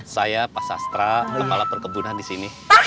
saya pak sastra kepala perkebunan di sini